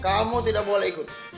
kamu tidak boleh ikut